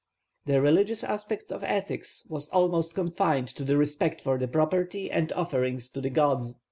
The religious aspect of ethics was almost confined to the respect for the property and offerings of the gods.